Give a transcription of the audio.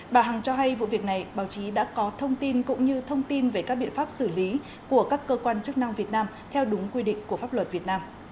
bà hằng cho hay vụ việc này báo chí đã có thông tin cũng như thông tin về các biện pháp xử lý của các cơ quan chức năng việt nam theo đúng quy định của pháp luật việt nam